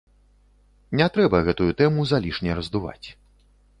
Не трэба гэтую тэму залішне раздуваць.